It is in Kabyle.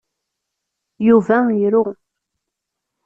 Yuba iru.